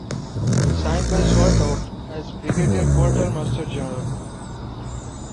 Signed by Swartwout as Brigadier Quarter Master General.